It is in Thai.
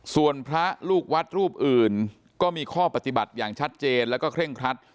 ส่วนพระลูกวัดรูปอื่นก็มีข้อปฏิบัติอย่างชัดเจนแล้วก็เคร่งครัด